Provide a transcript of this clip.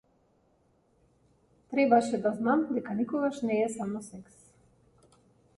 Требаше да знам дека никогаш не е само секс.